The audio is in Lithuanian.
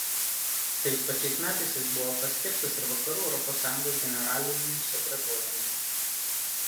Tais pačiais metais jis buvo paskirtas ir Vakarų Europos Sąjungos generaliniu sekretoriumi.